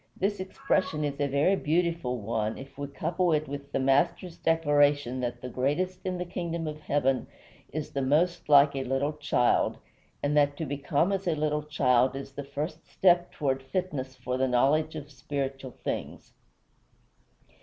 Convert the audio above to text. The expression is a very beautiful one if we couple it with the Master's declaration that the greatest in the kingdom of heaven is the most like a little child, and that to become as a little child is the first step toward fitness for the knowledge of spiritual things.